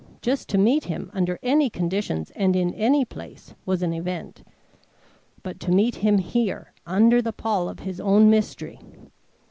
Just to meet him, under any conditions and in any place, was an event. But to meet him here, under the pall of his own mystery!